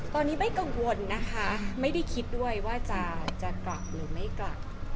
ตอนนี้ไม่กังวลนะคะไม่ได้คิดด้วยว่าจะกลับหรือไม่กลับ